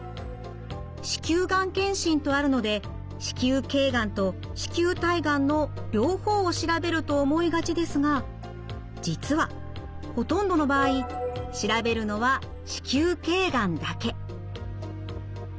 子宮がん検診とあるので子宮頸がんと子宮体がんの両方を調べると思いがちですが実はほとんどの場合調べるのは子宮頸がんだけ。